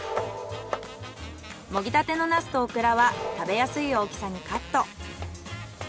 もぎたてのナスとオクラは食べやすい大きさにカット。